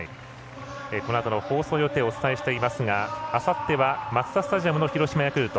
このあとの放送予定をお伝えしていますがあさってはマツダスタジアムの広島、ヤクルト。